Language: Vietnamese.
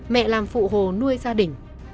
mẹ làm phụ hồ nuôi gia đình